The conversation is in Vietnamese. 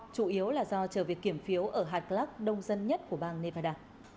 chủ yếu là do trở việc kiểm phiếu ở harkluck đông dân nhất của bang nevada